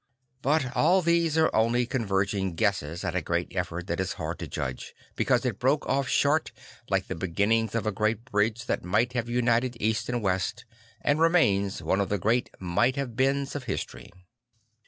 But all these are only converging guesses at a great effort that is hard to judge, beca use it broke off short like the beginnings of a great bridge that might have united East and West, and remains one of the great might have beens of history.